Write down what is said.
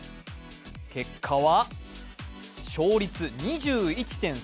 結果は勝率２１．３％。